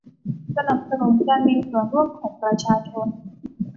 สนับสนุนการมีส่วนร่วมของประชาชน